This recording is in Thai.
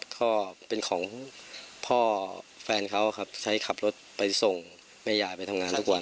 ก็เป็นของพ่อแฟนเขาครับใช้ขับรถไปส่งแม่ยายไปทำงานทุกวัน